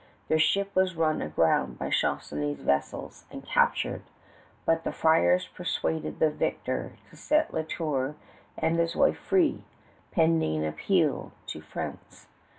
Their ship was run aground by Charnisay's vessels and captured; but the friars persuaded the victor to set La Tour and his wife free, pending an appeal to France.